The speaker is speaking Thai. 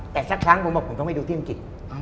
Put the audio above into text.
แต่สักครั้งผมบอกผมต้องไปดูที่อังกฤษ